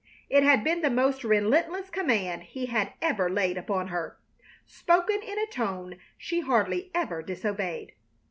It had been the most relentless command he had ever laid upon her, spoken in a tone she hardly ever disobeyed.